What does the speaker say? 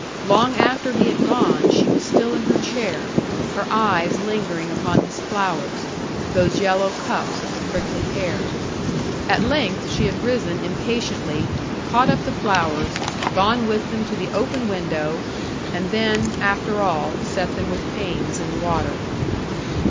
Long after he had gone she was still in her chair, her eyes lingering upon his flowers, those yellow cups of the prickly pear. At length she had risen impatiently, caught up the flowers, gone with them to the open window, and then, after all, set them with pains in water.